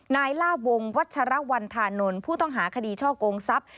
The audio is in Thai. ลาบวงวัชรวรรณธานนท์ผู้ต้องหาคดีช่อกงทรัพย์